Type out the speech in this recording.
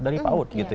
dari paud gitu ya